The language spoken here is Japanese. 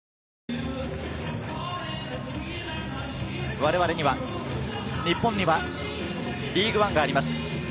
我々には、日本には、リーグワンがあります。